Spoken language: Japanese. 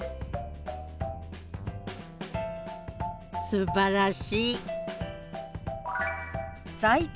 すばらしい！